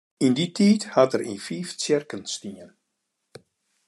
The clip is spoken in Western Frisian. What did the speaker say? Yn dy tiid hat er yn fiif tsjerken stien.